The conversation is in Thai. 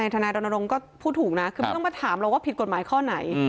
ทนายรณรงค์ก็พูดถูกนะคือไม่ต้องมาถามหรอกว่าผิดกฎหมายข้อไหน